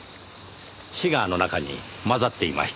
シガーの中に混ざっていました。